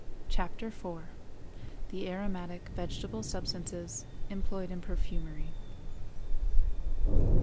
CHAPTER IV. THE AROMATIC VEGETABLE SUBSTANCES EMPLOYED IN PERFUMERY.